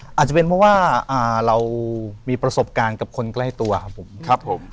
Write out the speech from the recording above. อาจจะเป็นเพราะว่าเรามีประสบการณ์กับคนใกล้ตัวครับผมครับผม